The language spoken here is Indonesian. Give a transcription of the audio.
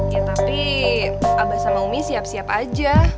ya tapi abah sama umi siap siap aja